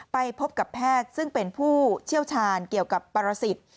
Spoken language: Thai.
ไปพบกับแพทย์ซึ่งเป็นผู้เชี่ยวชาญเกี่ยวกับปรสิทธิ์